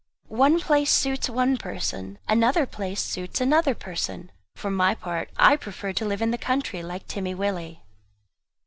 One place suits one person, another place suits another person. For my part I prefer to live in the country, like Timmy Willie.